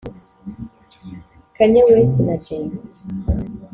Kanye West na Jay-Z